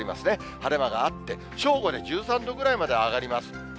晴れ間があって、正午で１３度ぐらいまで上がります。